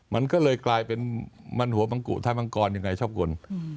มันก็เลยกลายเป็นมันหัวมังกุถ้ามังกรยังไงชอบกล